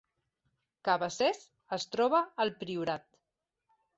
Cabacés es troba al Priorat